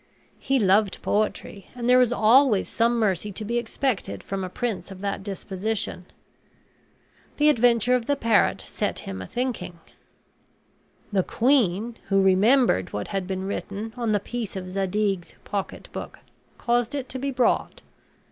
He loved poetry; and there is always some mercy to be expected from a prince of that disposition. The adventure of the parrot set him a thinking. The queen, who remembered what had been written on the piece of Zadig's pocketbook, caused it to be brought.